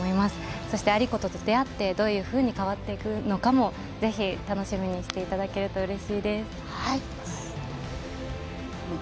そして有功と出会ってどういうふうに変わっていくのかも楽しみにしていただけたらうれしいです。